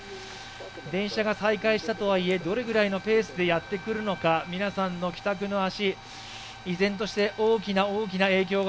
電車が再開したとはいえどれぐらいのペースでやってくるのか、皆さんの帰宅の足依然として大きな大きな影響が